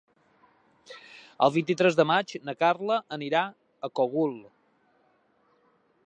El vint-i-tres de maig na Carla anirà al Cogul.